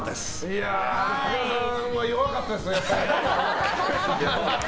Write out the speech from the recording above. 武田さんは弱かったですね。